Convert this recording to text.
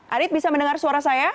adit bisa mendengar suara saya